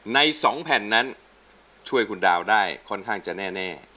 ใน๒แผ่นนั้นช่วยคุณดาวได้ค่อนข้างจะแน่